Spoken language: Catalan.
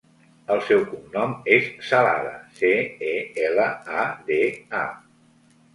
El seu cognom és Celada: ce, e, ela, a, de, a.